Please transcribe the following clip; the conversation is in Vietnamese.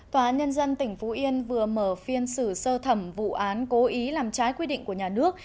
tòa án nhân dân tỉnh phú yên vừa mở phiên xử sơ thẩm vụ án cố ý làm trái quy định của nhà nước